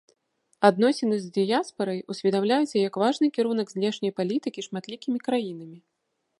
Адносіны з дыяспарай усведамляюцца як важны кірунак знешняй палітыкі шматлікімі краінамі.